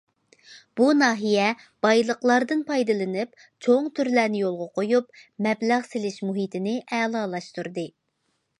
بۇ ناھىيە بايلىقلاردىن پايدىلىنىپ، چوڭ تۈرلەرنى يولغا قويۇپ، مەبلەغ سېلىش مۇھىتىنى ئەلالاشتۇردى.